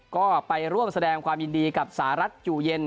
ก็ไปร่วมแสดงความยินดีกับสหรัฐอยู่เย็น